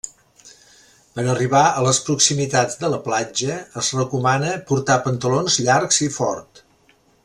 Per arribar a les proximitats de la platja es recomana portar pantalons llargs i fort.